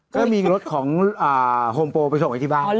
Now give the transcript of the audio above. ก็มีรถของโฮมโปไปส่งไว้ที่บ้าน